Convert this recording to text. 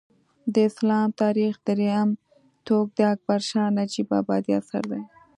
د اسلام تاریخ درېیم ټوک د اکبر شاه نجیب ابادي اثر دی